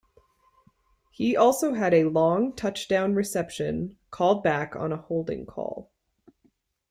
He also had a long touchdown reception called back on a holding call.